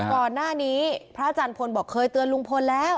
ก่อนหน้านี้พระอาจารย์พลบอกเคยเตือนลุงพลแล้ว